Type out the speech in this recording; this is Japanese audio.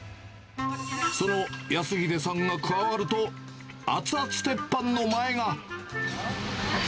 その康秀さんが加わると、熱々鉄板の前が。